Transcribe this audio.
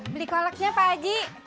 beli koleknya pak haji